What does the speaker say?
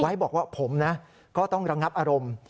บอกว่าผมนะก็ต้องระงับอารมณ์